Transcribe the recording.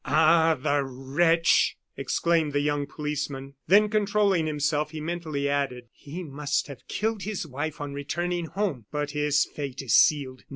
"Ah! the wretch!" exclaimed the young policeman. Then, controlling himself, he mentally added: "He must have killed his wife on returning home, but his fate is sealed.